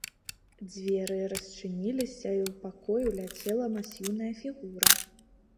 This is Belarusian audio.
Дзверы расчыніліся і ў пакой уляцела массіўная фігура.